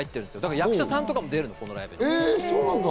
役者さんとかも出るの、このライブ。